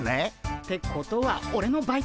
ってことはオレのバイト先も！